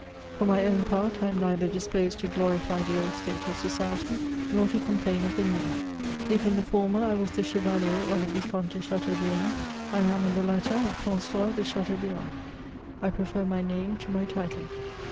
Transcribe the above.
For my own part, I am neither disposed to glorify the old state of society nor to complain of the new^. If in the former I was the Chevalier or the Vicomte de Cha teaubriand, I am in the latter Fran9ois de Chateaubriand. I prefer my name to my title.